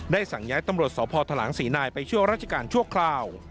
สั่งย้ายตำรวจสพทลัง๔นายไปช่วยราชการชั่วคราว